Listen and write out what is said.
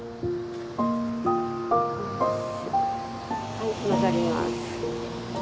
はい曲がります